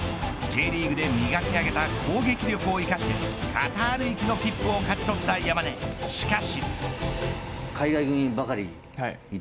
Ｊリーグで磨き上げた攻撃力を生かしてカタール行きの切符を勝ち取った山根しかし。